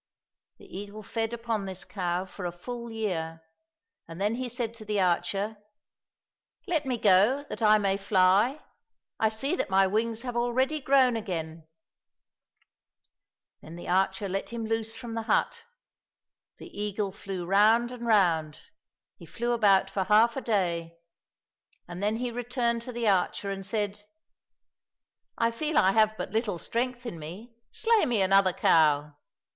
The eagle fed upon this cow for a full year, and then he said to the archer, " Let me go, that I may fly. I see that my wings have already grown again !" Then the archer let him loose from the hut. The eagle flew round and round, he flew about for half a day, and then he returned to the archer and said, " I feel I have but little strength in me, slay me another cow